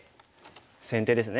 先手ですね。